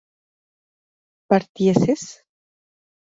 ¿partieses?